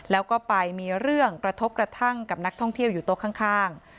แล้วก็ไปมีเรื่องกระทบกระทั่งกับนักท่องเที่ยวอยู่โต๊ะข้าง